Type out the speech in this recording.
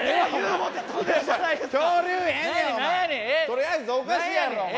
とりあえずおかしいやろお前。